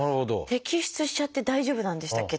摘出しちゃって大丈夫なんでしたっけ？